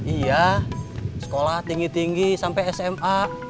iya sekolah tinggi tinggi sampai sma